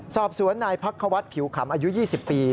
สอบสวนนายพักควัฒน์ผิวขำอายุ๒๐ปี